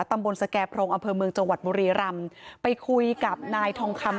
ตำบลสแก่พรงอำเภอเมืองจังหวัดบุรีรำไปคุยกับนายทองคำ